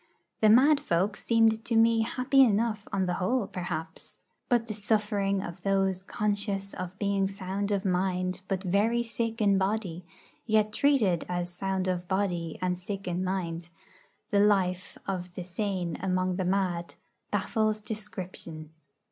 The mad folk seemed to me happy enough on the whole, perhaps. But the suffering of those conscious of being sound of mind, but very sick in body, yet treated as sound of body and sick in mind the life of the same among the mad, baffles description.